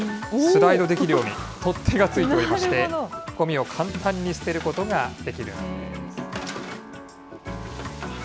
スライドできるように取っ手がついておりまして、ごみを簡単に捨てることができるんです。